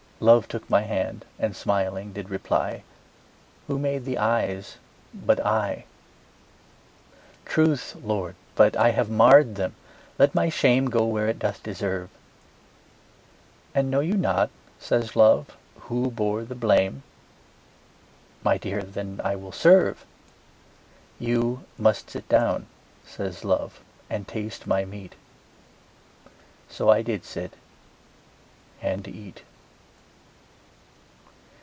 Love took my hand, and smiling did reply, Who made the eyes but I? Truth, Lord, but I have marr'd them: let my shame Go where it doth deserve. And know you not, says Love, who bore the blame? My dear, then I will serve. You must sit down, says Love, and taste my meat: So I did sit and eat.